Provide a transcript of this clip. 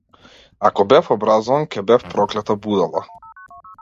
Ако бев образован, ќе бев проклета будала.